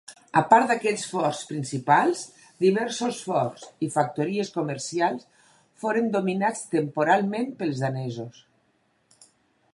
A part d'aquests forts principals, diversos forts i factories comercials foren dominats temporalment pels danesos.